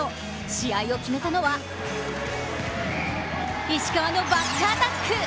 試合を決めたのは石川のバックアタック。